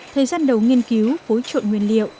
thời gian đầu nghiên cứu phối trộn nguyên liệu